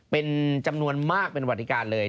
เป็นจำนวนมากเป็นสวัสดิการเลย